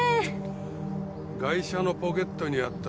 ガイシャのポケットにあった